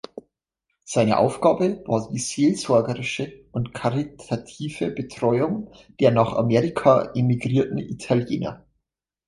Seine Aufgabe war die seelsorgerische und karitative Betreuung der nach Amerika emigrierten Italiener.